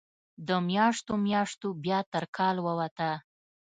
د میاشتو، میاشتو بیا تر کال ووته